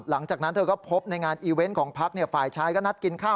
หลังจากนั้นเธอก็พบในงานอีเวนต์ของพักฝ่ายชายก็นัดกินข้าว